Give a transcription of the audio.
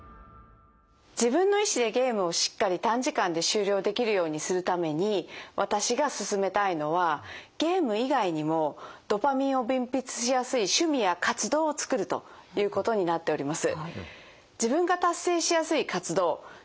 自分の意思でゲームをしっかり短時間で終了できるようにするために私がすすめたいのはゲーム以外にもドパミンを分泌しやすい趣味や活動をつくるということになっております。